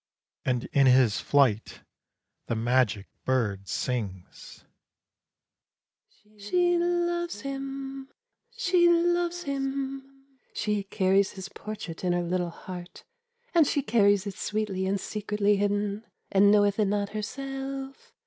And in his flight the magic bird sings: "She loves him! she loves him! She carries his portrait in her little heart, And she carries it sweetly and secretly hidden, And knoweth it not herself!